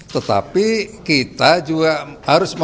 tetapi kita juga harus